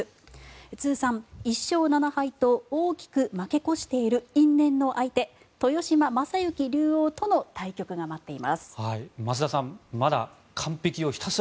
通算１勝７敗と大きく負け越している因縁の相手、豊島将之竜王との対局が待っています。